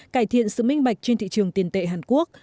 cải thiện sự minh bạch trên thị trường tiền tệ hàn quốc